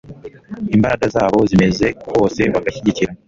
imbaraga zabo uko zimeze kose bagashyigikira